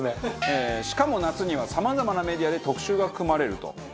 しかも夏にはさまざまなメディアで特集が組まれると。